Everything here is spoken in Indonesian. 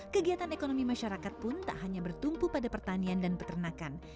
kegiatan ekonomi masyarakat pun tak hanya bertumpu pada pertanian dan peternakan